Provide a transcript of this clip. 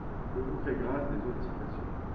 Je vous fais grâce des autres citations.